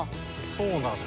そうなんだ。